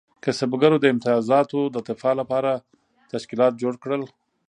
کسبګرو د امتیازاتو د دفاع لپاره تشکیلات جوړ کړل.